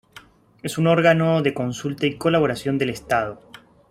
Es un órgano de consulta y colaboración del Estado.